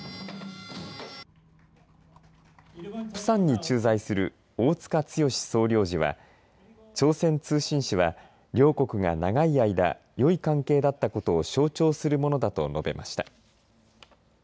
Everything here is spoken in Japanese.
プサンに駐在する大塚剛総領事は朝鮮通信使は両国が長い間よい関係だったことを象徴するものだと述べました。